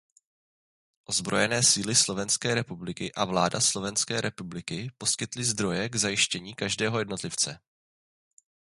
Ozbrojené síly Slovenské republiky a vláda Slovenské republiky poskytly zdroje k zajištění každého jednotlivce.